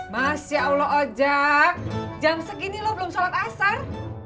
masya allah ojak jam segini lo belum sholat asar